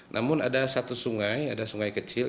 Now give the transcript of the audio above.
namun ada satu sungai ada sungai kecil